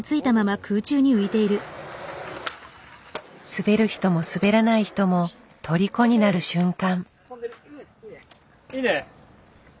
滑る人も滑らない人もとりこになる瞬間。